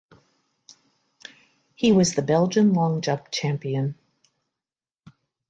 He was the Belgian long jump champion.